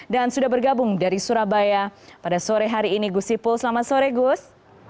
dan sudah bergabung dari surabaya pada sore hari ini gus ipul selamat sore gus